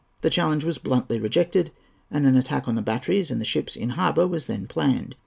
The challenge was bluntly rejected, and an attack on the batteries and the ships in harbour was then planned.